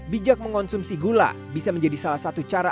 bijak mengonsumsi gula bisa menjadi salah satu cara